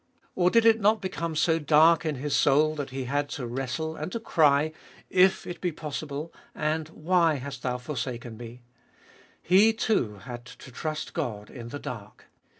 Or did it not become so dark in His soul, that He had to wrestle and to cry, " If it be possible ?" and " Why hast thou forsaken Me ?" He, too, had to trust God in the dark.